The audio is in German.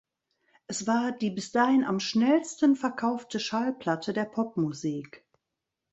Es war die bis dahin am schnellsten verkaufte Schallplatte der Popmusik.